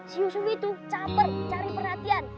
si yusuf itu caper cari perhatian